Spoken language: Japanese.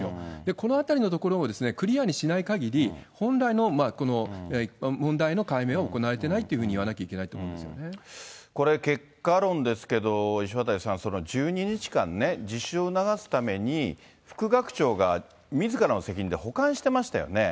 このあたりのところをクリアにしないかぎり、本来の問題の解明は行われていないというふうに言わなきゃいけなこれ、結果論ですけど、石渡さん、１２日間ね、自首を促すために副学長がみずからの責任で保管してましたよね。